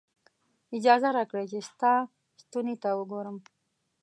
اجازه راکړئ چې ستا ستوني ته وګورم.